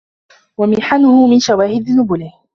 وَمِحَنَهُ مِنْ شَوَاهِدِ نُبْلِهِ